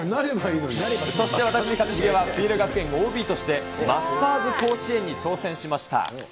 そして私、上重はＰＬ学園ＯＢとして、マスターズ甲子園に挑戦しました。